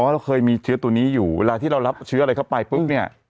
เราเคยมีเชื้อตัวนี้อยู่เวลาที่เรารับเชื้ออะไรเข้าไปปุ๊บเนี่ย